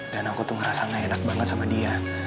dan aku tuh ngerasa gak enak banget sama dia